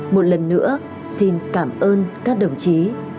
một lần nữa xin cảm ơn các đồng chí